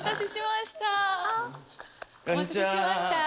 お待たせしました。